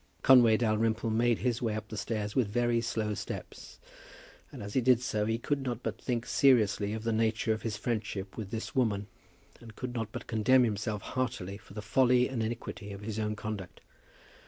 Conway Dalrymple made his way up the stairs with very slow steps, and as he did so he could not but think seriously of the nature of his friendship with this woman, and could not but condemn himself heartily for the folly and iniquity of his own conduct.